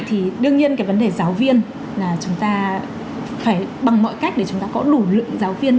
thì đương nhiên cái vấn đề giáo viên là chúng ta phải bằng mọi cách để chúng ta có đủ lượng giáo viên